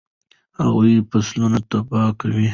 هغوی فصلونه تباه کول.